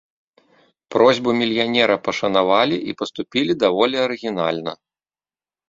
Просьбу мільянера пашанавалі і паступілі даволі арыгінальна.